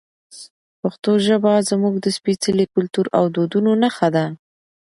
پښتو ژبه زموږ د سپېڅلي کلتور او دودونو نښه ده.